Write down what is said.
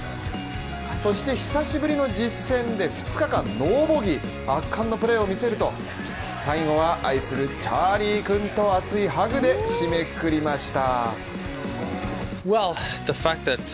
そして久しぶりの実戦で２日間、ノーボギー圧巻のプレーを見せると、最後は愛するチャーリーくんと熱いハグで締めくくりました。